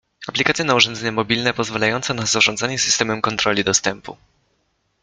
Aplikacja na urządzenia mobilne, pozwalająca na zarządzanie systemem kontroli dostępu